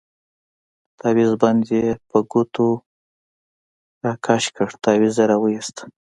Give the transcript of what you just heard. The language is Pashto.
د تاويز بند يې په ګوتو راكښ كړ تاويز يې راوايست.